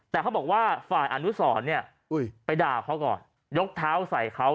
แต่เขาบอกว่าฝ่ายอนุสรเนี่ยไปด่าเขาก่อนยกเท้าใส่เขา